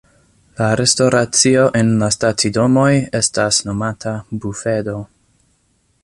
La restoracio en la stacidomoj estas nomata bufedo.